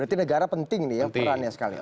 berarti negara penting nih ya perannya sekali